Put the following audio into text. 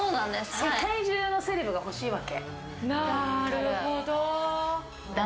世界中のセレブが欲しいわけ。